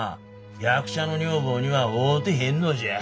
役者の女房には合うてへんのじゃ。